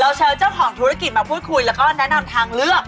เชิญเจ้าของธุรกิจมาพูดคุยแล้วก็แนะนำทางเลือก